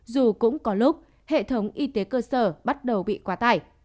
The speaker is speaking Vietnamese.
dù cũng có lúc hệ thống y tế cơ sở bắt đầu bị quá tải